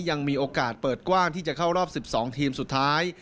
ยังมีโอกาสเปิดกว้างที่จะเข้ารอบ๑๒ทีมสุดท้าย